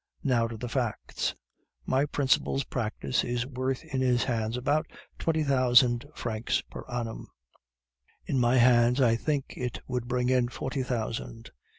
Now to the facts. My principal's practice is worth in his hands about twenty thousand francs per annum; in my hands, I think it would bring in forty thousand.